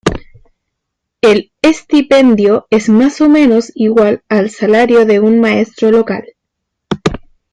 El estipendio es más o menos igual al salario de un maestro local.